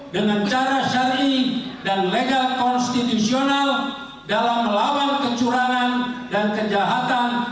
dengan cara syari dan legal konstitusional dalam melawan kecurangan dan kejahatan